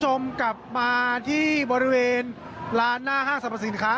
คุณผู้ชมกลับมาที่บริเวณร้านหน้าห้างสรรพสินค้า